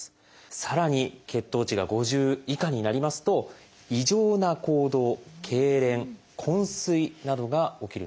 さらに血糖値が５０以下になりますと異常な行動けいれん昏睡などが起きるんです。